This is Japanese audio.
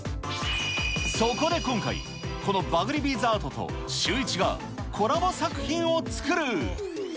そこで今回、このバグりビーズアートとシューイチがコラボ作品を作る。